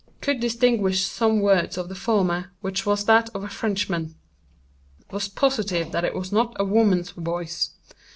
Could distinguish some words of the former, which was that of a Frenchman. Was positive that it was not a woman's voice.